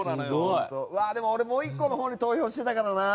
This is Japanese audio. でも俺、もう１個のほうに投票してたからな。